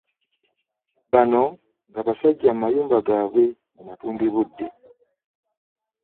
Bano nga babajja mu mayumba gaabwe mu matumbi budde.